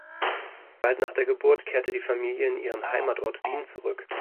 Bald nach der Geburt kehrte die Familie in ihren Heimatort Wien zurück.